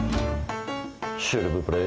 シルブプレ。